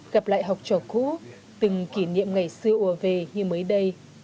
gặp lại học trò cũ từng kỷ niệm ngày xưa ùa về như mới đây